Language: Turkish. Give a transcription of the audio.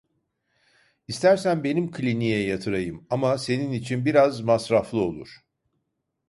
İstersen benim kliniğe yatırayım, ama şenin için biraz masraflı olur.